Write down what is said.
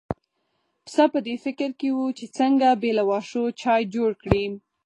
پسه په دې فکر کې و چې څنګه بې له واښو چای جوړ کړي.